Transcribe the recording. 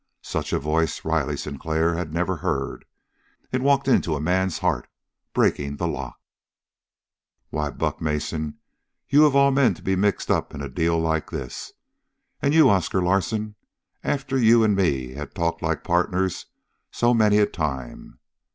Such a voice Riley Sinclair had never heard. It walked into a man's heart, breaking the lock. "Why, Buck Mason, you of all men to be mixed up in a deal like this. And you, Oscar Larsen, after you and me had talked like partners so many a time!